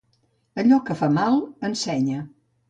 Allò que fa mal, ensenya.